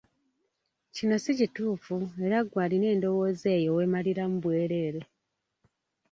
Kino si kituufu era ggwe alina endowooza eyo weemaliramu bwereere.